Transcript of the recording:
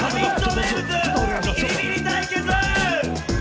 名物ビリビリ対決！！